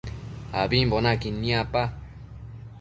Ambimbo naquid niapa